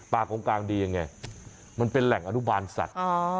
ปลากงกาลอันดียังไงมันเป็นแหล่งอนุบันสัตว์